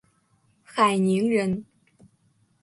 海宁人。